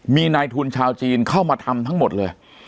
มีนายทุนชาวจีนเข้ามาทำทั้งหมดเลย